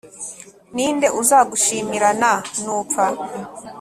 Ni nde uzagushimiran nupfa